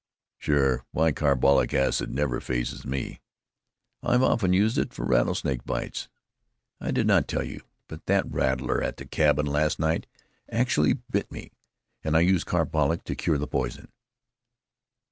"Sure. Why, carbolic acid never phases me. I've often used it for rattlesnake bites. I did not tell you, but that rattler at the cabin last night actually bit me, and I used carbolic to cure the poison."